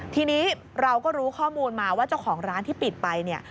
ทีนี้เราก็รู้ข้อมูลมาว่าเจ้าของร้านที่ปิดไปเนี่ย